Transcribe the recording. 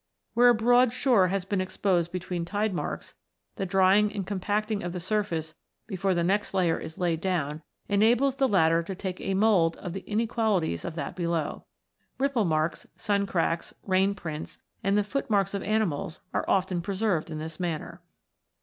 Where a broad shore has been exposed between tide marks, the drying and com pacting of the surface before the next layer is laid down enables the latter to take a mould of the inequalities of that below. Ripple marks, sun cracks, rain prints, and the footmarks of animals, are often preserved in this manner.